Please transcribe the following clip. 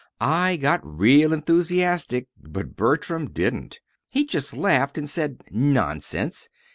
I got real enthusiastic, but Bertram didn't. He just laughed and said 'nonsense!'